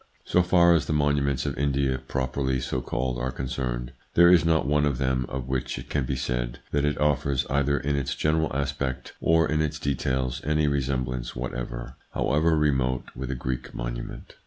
So far as the monuments of India properly so called are concerned, there is not one of them of which it can be said that it offers, either in its general aspect or in its details, any resemblance whatever, however remote, with a Greek monu ment.